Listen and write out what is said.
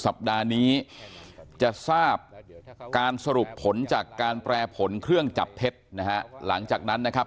สัปดาห์นี้จะทราบการสรุปผลจากการแปรผลเครื่องจับเท็จนะฮะหลังจากนั้นนะครับ